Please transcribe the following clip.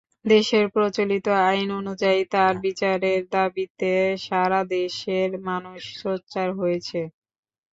দেশের প্রচলিত আইন অনুযায়ী তাঁর বিচারের দাবিতে সারা দেশের মানুষ সোচ্চার হয়েছে।